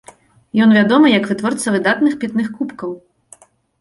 Ён вядомы як вытворца выдатных пітных кубкаў.